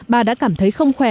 bà đã cảm thấy không khỏe